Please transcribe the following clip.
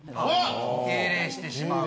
敬礼してしまう。